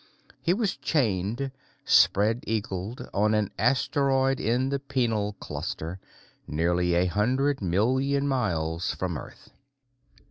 He was chained, spread eagled, on an asteroid in the Penal Cluster, nearly a hundred million miles from Earth.